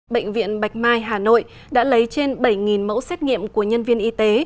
bệnh viện bạch mai hà nội đã lấy trên bảy mẫu xét nghiệm của nhân viên y tế